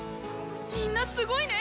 みんなすごいね！